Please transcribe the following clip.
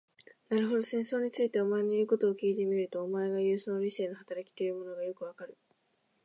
なるほど、戦争について、お前の言うことを聞いてみると、お前がいう、その理性の働きというものもよくわかる。